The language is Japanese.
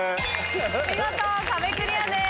見事壁クリアです。